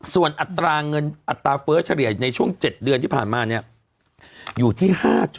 ส่วนอัตราเฟิร์สเฉลี่ยในช่วง๗เดือนที่ผ่านมาเนี่ยอยู่ที่๕๘๙